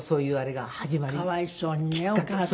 かわいそうにねお母様ね。